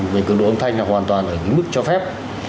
về cường độ âm thanh hoàn toàn ở mức cho phép